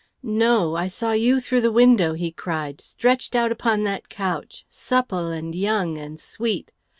"No. I saw you through the window," he cried, "stretched out upon that couch, supple and young and sweet.